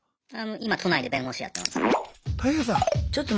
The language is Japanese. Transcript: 今都内で弁護士やってます。